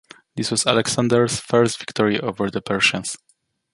This was Alexander's first victory over the Persians.